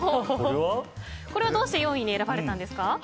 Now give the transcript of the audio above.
これはどうして４位に選ばれたんですか？